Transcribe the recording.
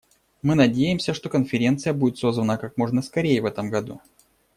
Мы надеемся, что конференция будет созвана как можно скорее в этом году.